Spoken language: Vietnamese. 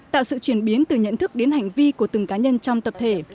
tạo sự chuyển biến từ nhận thức đến hành vi của từng cá nhân trong tập thể